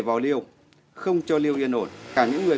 mày thích cái gì